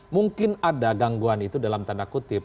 mungkin ada gangguan itu dalam tanda kutip